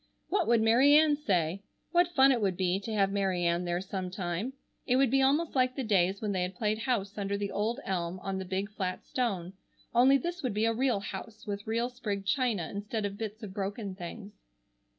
What would Mary Ann say? What fun it would be to have Mary Ann there sometime. It would be almost like the days when they had played house under the old elm on the big flat stone, only this would be a real house with real sprigged china instead of bits of broken things.